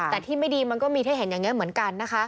แต่ที่ไม่ดีมันก็มีที่เห็นอย่างเงี้ยเหมือนกัน